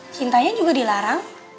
cintanya juga dilarang